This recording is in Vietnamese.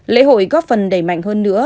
lễ hội góp phần đầy mạnh hơn nữa